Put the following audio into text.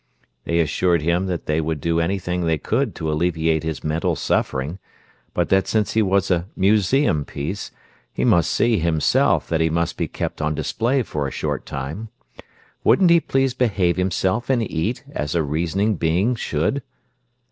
They assured him that they would do anything they could to alleviate his mental suffering, but that since he was a museum piece he must see, himself, that he must be kept on display for a short time. Wouldn't he please behave himself and eat, as a reasoning being should?